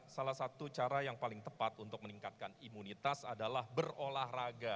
salah satu cara yang paling tepat untuk meningkatkan imunitas adalah berolahraga